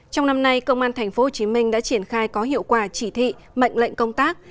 trong năm nay công an tp hcm đã triển khai có hiệu quả chỉ thị mệnh lệnh công tác